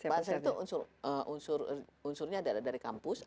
pansel itu unsurnya ada dari kampus